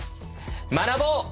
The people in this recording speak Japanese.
学ぼう！